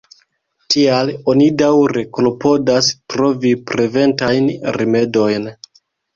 Tial, oni daŭre klopodas trovi preventajn rimedojn.